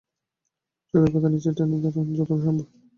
চোখের পাতা নিচে টেনে ধরুন যতদূর সম্ভব।